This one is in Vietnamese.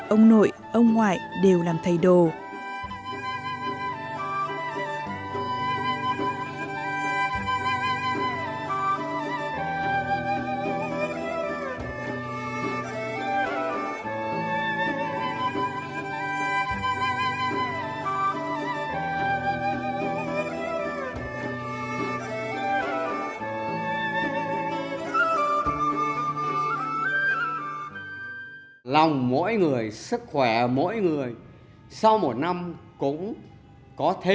ông nội ông ngoại đều làm thầy đồ